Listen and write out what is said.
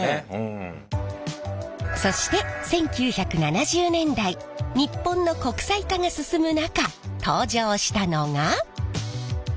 そして１９７０年代日本の国際化が進む中登場したのが。